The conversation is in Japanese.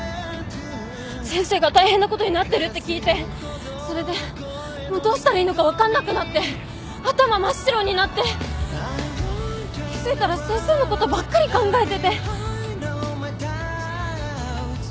先生が大変なことになってるって聞いてそれでもうどうしたらいいのか分かんなくなって頭真っ白になって気付いたら先生のことばっかり考えてて。